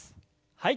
はい。